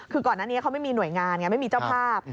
คือก่อนอันนี้เขาไม่มีหน่วยงานไงไม่มีเจ้าภาพ